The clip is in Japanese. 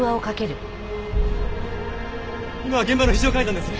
今現場の非常階段です。